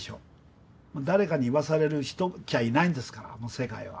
誰かに言わされる人っきゃいないんですからあの世界は。